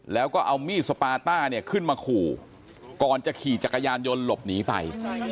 แล้วก็เอามีดสปาต้าเนี่ยขึ้นมาขู่ก่อนจะขี่จักรยานยนต์หลบหนีไป